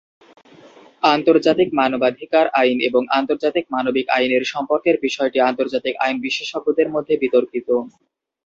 আন্তর্জাতিক মানবাধিকার আইন এবং আন্তর্জাতিক মানবিক আইনের সম্পর্কের বিষয়টি আন্তর্জাতিক আইন বিশেষজ্ঞদের মধ্যে বিতর্কিত।